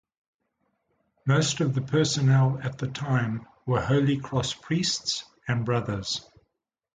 Most of the personnel at the time were Holy Cross priests and brothers.